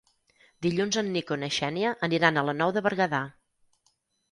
Dilluns en Nico i na Xènia aniran a la Nou de Berguedà.